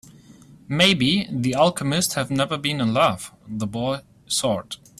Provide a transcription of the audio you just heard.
Maybe the alchemist has never been in love, the boy thought.